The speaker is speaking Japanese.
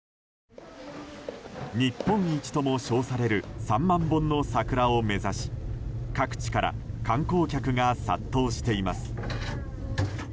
日本一とも称される３万本の桜を目指し各地から観光客が殺到しています。